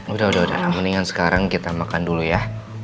udah udah dalam mendingan sekarang kita makan dulu ya